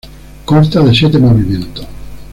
Consta de siete movimientos.